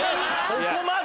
そこまで？